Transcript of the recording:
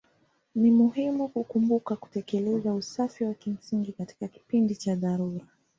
Ni muhimu kukumbuka kutekeleza usafi wa kimsingi katika kipindi cha dharura.